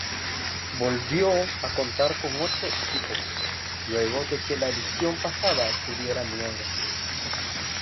Volvió a contar con ocho equipos, luego de que la edición pasada tuviera nueve.